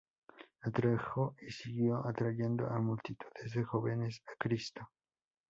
Atrajo y sigue atrayendo a multitudes de jóvenes a Cristo.